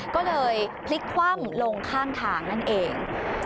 ก็เลยพลิกคว่ำลงข้างทางนั่นเอง